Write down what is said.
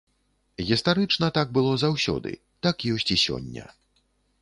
Гістарычна, так было заўсёды, так ёсць і сёння.